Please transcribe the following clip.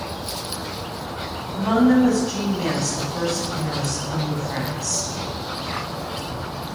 Among them was Jeanne Mance, the first nurse in New France.